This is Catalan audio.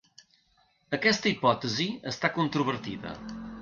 Aquesta hipòtesi està controvertida.